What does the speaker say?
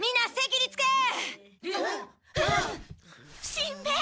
しんべヱ！